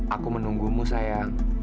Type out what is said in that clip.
aku menunggumu sayang